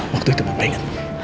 waktu itu papa ingat